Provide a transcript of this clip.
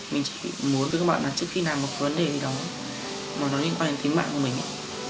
mình chỉ muốn với các bạn là trước khi nào có vấn đề gì đó mà nó liên quan đến tính mạng của mình ấy